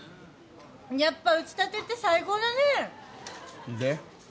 やっぱ打ちたてって最高だね。